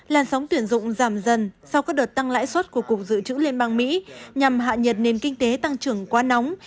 làn sóng tuyển dụng giảm dần sau các đợt tăng lãi suất của cục dự trữ liên bang mỹ nhằm hạ nhiệt nền kinh tế tăng trưởng quá nóng